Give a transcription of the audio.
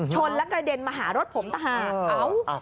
ชนแล้วกระเด็นมาหารถผมต่างหาก